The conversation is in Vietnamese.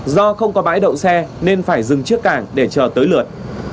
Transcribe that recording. do không có bãi đậu xe nên phải dừng trước cảng để chờ tới lượt